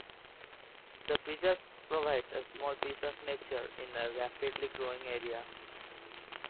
The preserve provides a small piece of nature in a rapidly growing area.